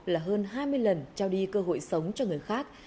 là hơn hai mươi lần trao đi cơ hội sống cho người khác